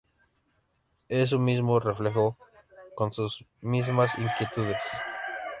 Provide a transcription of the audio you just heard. Es su mismo reflejo con sus mismas inquietudes.